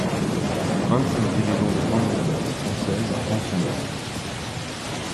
Vingt-cinq dirigeants de grandes entreprises françaises en sont membres.